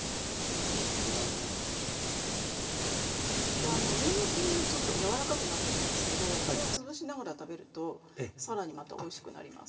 でにんにくもねちょっとやわらかくなってるんですけどこれを潰しながら食べると更にまたおいしくなります。